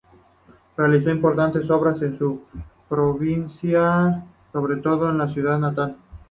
Realizó importantes obras en su provincia, sobre todo en su ciudad natal.